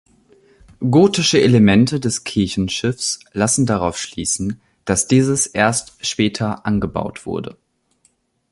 Gotische Elemente des Kirchenschiffs lassen darauf schließen, dass dieses erst später angebaut wurde.